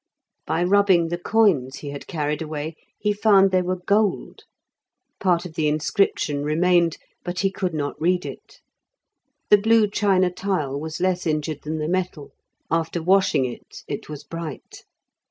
By rubbing the coins he had carried away he found they were gold; part of the inscription remained, but he could not read it. The blue china tile was less injured than the metal; after washing it, it was bright.